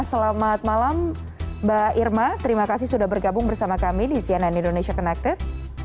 selamat malam mbak irma terima kasih sudah bergabung bersama kami di cnn indonesia connected